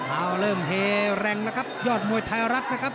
เอาเริ่มเฮแรงนะครับยอดมวยไทยรัฐนะครับ